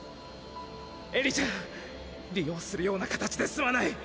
エリちゃん！利用するような形ですまない！